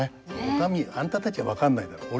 「お上あんたたちは分かんないだろう。